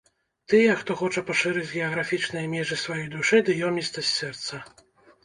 Тых, хто хоча пашырыць геаграфічныя межы сваёй душы ды ёмістасць сэрца.